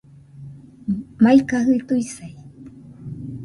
Maikajɨ tuisai